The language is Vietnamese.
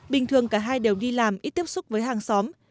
bình thường cả hai đều đi làm ít tiếp xúc với hàng xóm